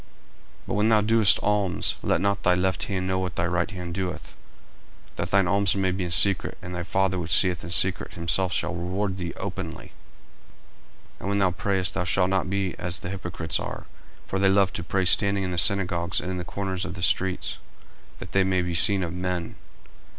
40:006:003 But when thou doest alms, let not thy left hand know what thy right hand doeth: 40:006:004 That thine alms may be in secret: and thy Father which seeth in secret himself shall reward thee openly. 40:006:005 And when thou prayest, thou shalt not be as the hypocrites are: for they love to pray standing in the synagogues and in the corners of the streets, that they may be seen of men.